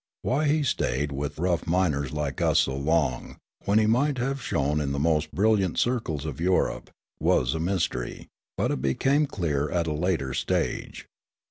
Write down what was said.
Why he stayed with rough miners like us so long, when he might have shone in the most brilliant circles of Kurope, was a mystery ; but it became clear at a later stage.